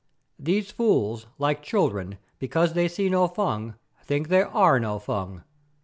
These fools, like children, because they see no Fung, think there are no Fung.